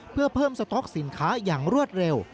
เพื่อเพิ่มสต๊อกสินค้าอย่างรวดเร็ว